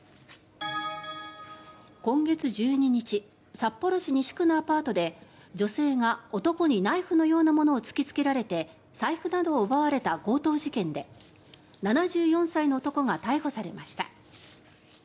今月１２日札幌市西区のアパートで女性が男にナイフのようなものを突きつけられて財布などを奪われた強盗事件で７４歳の男が逮捕されました。